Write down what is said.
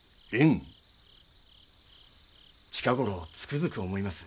近頃つくづく思います。